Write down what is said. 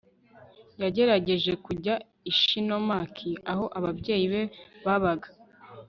yagerageje kujya ishinomaki aho ababyeyi be babaga